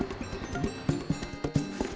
うん？